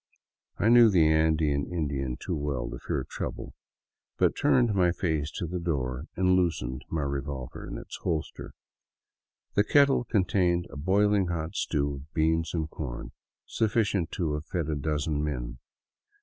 I knew the Andean Indian too well to fear trouble, but turned my face to the door and loosened my revolver in its holster. The kettle con tained a boiling hot stew of beans and corn, sufficient to have fed a dozen men.